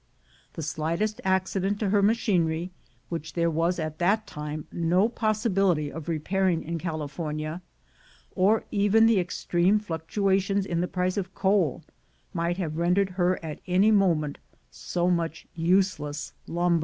The slightest accident to her machinery, which there was at that time no possibility of repairing in California, or even the extreme fluctuations in the price of coal, might have rendered her at any moment so much useless lumber.